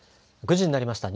９時になりました。